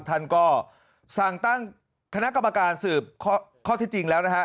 ท่านก็สั่งตั้งคณะกรรมการสืบข้อที่จริงแล้วนะฮะ